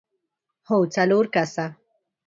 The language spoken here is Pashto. هو، څلور کسه!